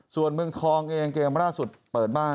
ส่วนเมืองทองเองเกมล่าสุดเปิดบ้าน